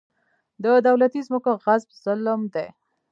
د دولتي ځمکو غصب ظلم دی.